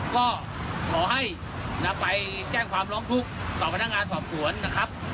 ก็ขอให้ไปแจ้งความร้องทุกข์ต่อพนักงานสอบสวนนะครับ